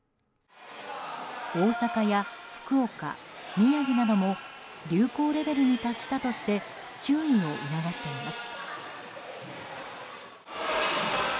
大阪や福岡、宮城なども流行レベルに達したとして注意を促しています。